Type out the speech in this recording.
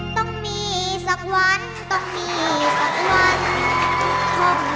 ต้องมีสักวันต้องมีสักวันข่อมข่อมเติมฝัน